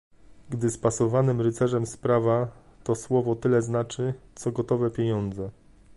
"Gdy z pasowanym rycerzem sprawa, to słowo tyle znaczy, co gotowe pieniądze."